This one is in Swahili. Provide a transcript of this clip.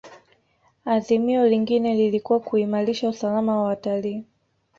azimio lingine lilikuwa kuimalisha usalama wa watalii